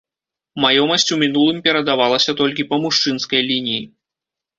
Маёмасць у мінулым перадавалася толькі па мужчынскай лініі.